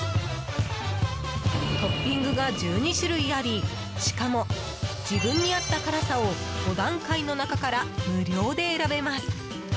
トッピングが１２種類ありしかも自分に合った辛さを５段階の中から無料で選べます。